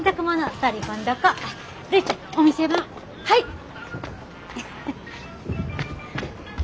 はい！